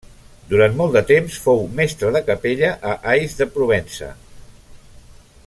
Durant molt de temps fou mestre de capella a Ais de Provença.